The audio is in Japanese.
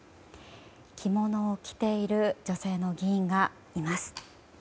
着物を着ている女性の議員がいます。